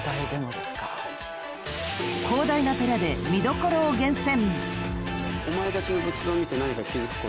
［広大な寺で見どころを厳選］